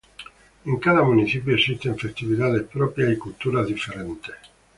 En cada municipio existen festividades propias y culturas diferentes.